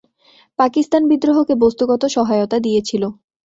পাকিস্তান বিদ্রোহকে বস্তুগত সহায়তা দিয়েছিল।